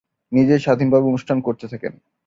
নিজেই স্বাধীন ভাবে অনুষ্ঠান করতে থাকেন।